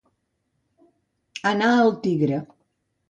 Anar al tigre.